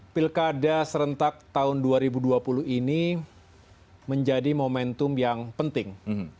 pilkada serentak tahun dua ribu dua puluh ini menjadi momentum yang penting